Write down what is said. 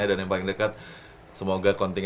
banget dan akhirnya kopi sedang